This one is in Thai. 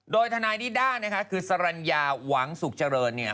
โดยทางนายดิดามเสริญญาหวังสุขเจริญ